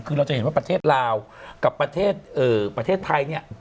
คือเราจะเห็นว่าประเทศลาวกับประเทศไทยเนี่ย